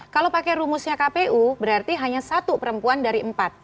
kalau pakai rumusnya kpu berarti hanya satu perempuan dari empat